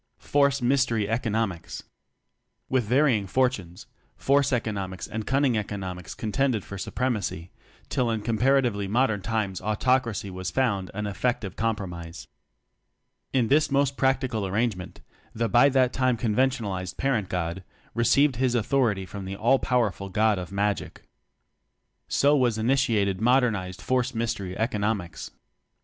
Force Mystery Economics. With varying fortunes force eco nomics and cunning economics con tended for supremacy till in compara tively modern times autocracy was found an effective compromise. In this most practical arrangement, the (by that time conventionalized) parent god received his authority from the All powerful God of Magic. So was initiated modernized force mystery economics.